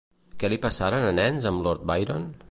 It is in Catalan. Què li passaran a nens amb lord Byron?